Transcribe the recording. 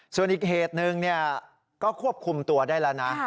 ส่วนอีกเหตุหนึ่งก็ควบคุมตัวได้แล้วนะ